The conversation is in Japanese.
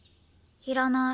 いらない。